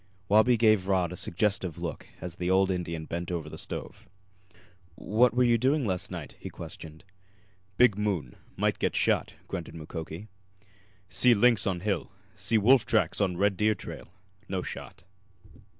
Wabi gave Rod a suggestive look as the old Indian bent over the stove. "What were you doing last night?" he questioned. "Big moon might get shot," grunted Mukoki. "See lynx on hill. See wolf tracks on red deer trail. No shot."